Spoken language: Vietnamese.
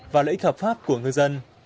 và lợi ích hợp pháp của ngư dân